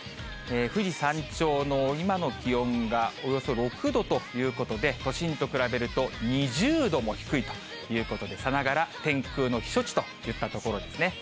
富士山頂の今の気温がおよそ６度ということで、都心と比べると２０度も低いということで、さながら天空の避暑地といったところですね。